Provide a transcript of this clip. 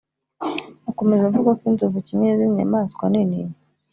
Akomeza avuga ko inzovu kimwe n’izindi nyamaswa nini